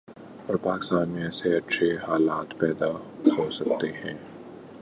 اور پاکستان میں ایسے اچھے حالات پیدا ہوسکتے ہیں ۔